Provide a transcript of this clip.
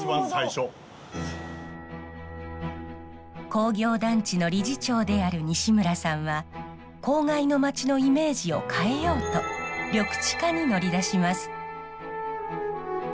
工業団地の理事長である西村さんは公害の街のイメージを変えようと緑地化に乗り出します。